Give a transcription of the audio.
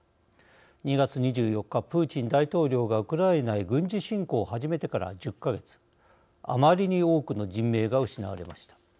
２月２４日、プーチン大統領がウクライナへ軍事侵攻を始めてから１０か月あまりに多くの人命が失われました。